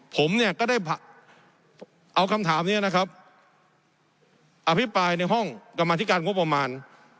ผมเนี่ยก็ได้เอาคำถามนี้นะครับอภิปรายในห้องกรรมธิการงบประมาณ